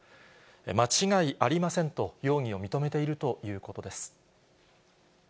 間違いありませんと、容疑を認めているということです。